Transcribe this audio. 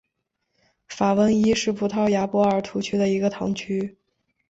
法翁伊什是葡萄牙波尔图区的一个堂区。